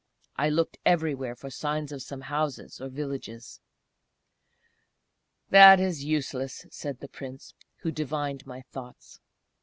I looked everywhere for signs of some houses or villages. "That is useless," said the Prince, who devined my thoughts.